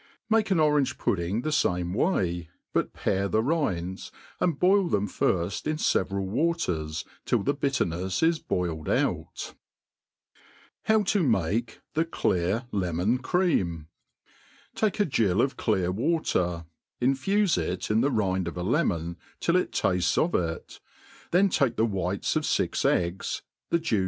Make an orange pudding the fame way, but pare the rinds, and' boil them Jiilt in feveral waters, till the bitter nefs is boiled out. ITbw ta make ibt CUar LemcH Cnartti ■' TAKE a gill of clear water; infufe in it the rind of a lerrusn, till it talles of it; then take the whites of fix eggs, the juice B b of.